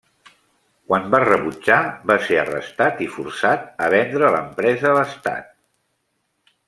Quan va rebutjar, va ser arrestat i forçat a vendre l'empresa a l'estat.